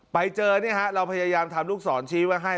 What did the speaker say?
ไปเจอเนี้ยฮะเราพยายามทำลูกสอนชี้ไว้ให้